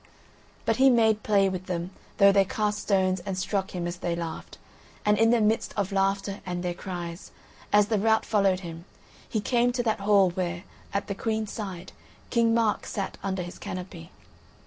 But he made play with them though they cast stones and struck him as they laughed, and in the midst of laughter and their cries, as the rout followed him, he came to that hall where, at the Queen's side, King Mark sat under his canopy.